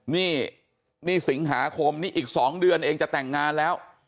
นี่นี่สิงหาคมนี่อีก๒เดือนเองจะแต่งงานแล้ว